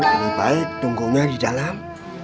lebih baik tunggunya di dalam